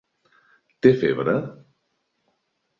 Té febre?